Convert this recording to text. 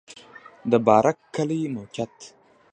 د بارک کلی موقعیت